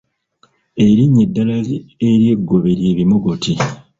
Erinnya eddala ery’eggobe lye bimogoti.